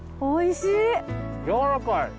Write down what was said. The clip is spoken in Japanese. おいしい。